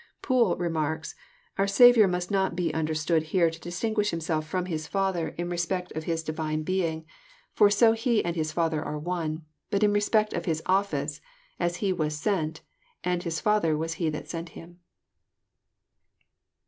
Poole remarks: " Our Saviour must not be understood here to distinguish Himself from His Father in respect of His divine JOHN, CHAP. vni. 85 being, for so He and His Father are one; bnt in respect of His office, as He was sent, and Uis Father was He who sent Him.'